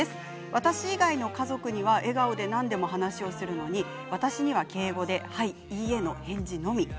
私以外の家族には笑顔で何でも話すのに私には敬語ではい、いいえの返事のみ。